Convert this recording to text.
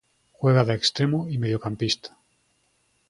Juega de extremo y mediocampista.